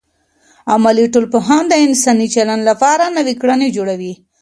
عملي ټولنپوهان د انساني چلند لپاره نوې کړنلارې جوړوي.